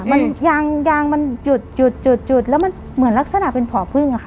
มันยางยางมันจุดจุดแล้วมันเหมือนลักษณะเป็นผ่อพึ่งอะค่ะ